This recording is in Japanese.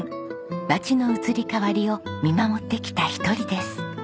町の移り変わりを見守ってきた一人です。